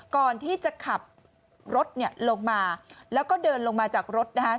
ก่อนที่จะขับรถเนี่ยลงมาแล้วก็เดินลงมาจากรถนะฮะ